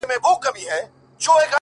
o چي مي بایللی و، وه هغه کس ته ودرېدم ،